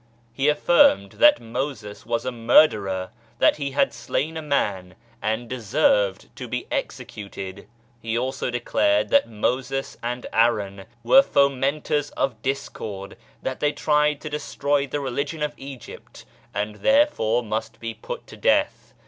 He affirmed that Moses was a murderer, that he had slain a man and deserved to be executed I He also declared that Moses and Aaron were fomentors of discord, that they tried to destroy the religion of Egypt and therefore must be put to death.